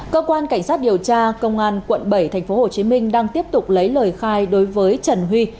cơ quan cảnh sát điều tra công an quận bảy tp hcm đang tiếp tục lấy lời khai đối với trần huy